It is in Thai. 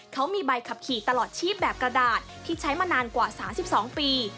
เขามีใบขับขี่ตลอดชีพแบบกระดาษที่ใช้มานานกว่า๓๒ปี